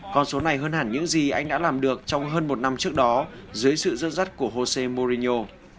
con số này hơn hẳn những gì anh đã làm được trong hơn một năm trước đó dưới sự dẫn dắt của jose morino